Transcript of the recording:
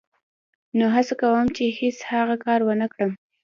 نو هڅه کوم چې هېڅ هغه کار و نه کړم.